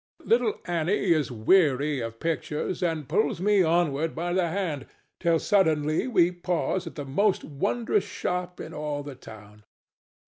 Little Annie is weary of pictures and pulls me onward by the hand, till suddenly we pause at the most wondrous shop in all the town.